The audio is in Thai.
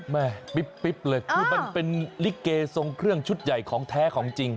ปิ๊บเลยคือมันเป็นลิเกทรงเครื่องชุดใหญ่ของแท้ของจริง